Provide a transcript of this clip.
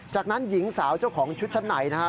จากนั้นหญิงสาวเจ้าของชุดชั้นในนะฮะ